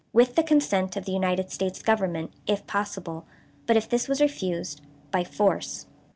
With the consent of the United States Government if possible, but, if this was refused, by force.